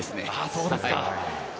そうですか。